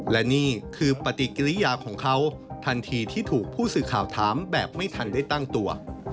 และนี่คือปฏิกิริยาของเขาทันทีที่ถูกผู้สื่อข่าวถามแบบไม่ทันได้ตั้งตัว